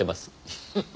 フフフ。